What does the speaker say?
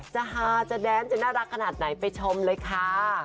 ฮาจะแดนจะน่ารักขนาดไหนไปชมเลยค่ะ